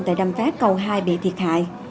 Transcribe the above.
tại đầm phá cầu hai bị thiệt hại